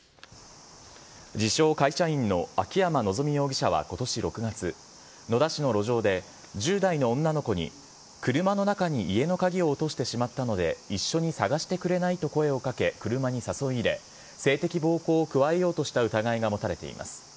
自称会社員の秋山希容疑者はことし６月、野田市の路上で、１０代の女の子に、車の中に家の鍵を落としてしまったので、一緒に探してくれないと声をかけ、車に誘い入れ、性的暴行を加えようとした疑いが持たれています。